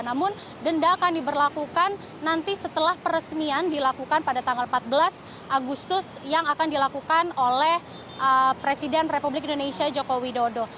namun denda akan diberlakukan nanti setelah peresmian dilakukan pada tanggal empat belas agustus yang akan dilakukan oleh presiden republik indonesia joko widodo